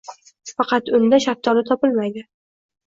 Faqat unda shaftoli topilmaydi